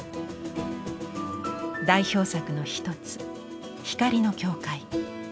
代表作の一つ「光の教会」。